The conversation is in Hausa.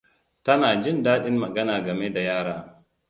Tana jin daɗin magana game da yara.